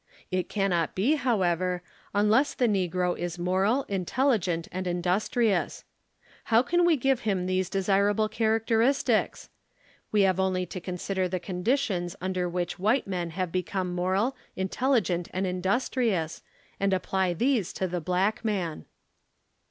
It cannot be, however, unless the negro is moral, intelligent and industrious. How can we give him these desirable characteristics? We have only to consider the conditions under which white men have become moral, intelligent, and industrious, and apply these to the black man.